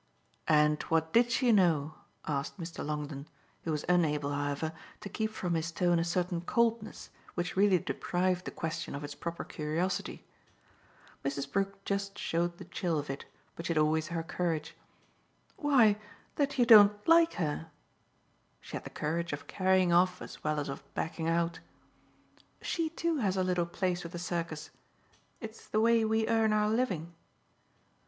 "And what did she know?" asked Mr. Longdon, who was unable, however, to keep from his tone a certain coldness which really deprived the question of its proper curiosity. Mrs. Brook just showed the chill of it, but she had always her courage. "Why that you don't like her." She had the courage of carrying off as well as of backing out. "She too has her little place with the circus it's the way we earn our living."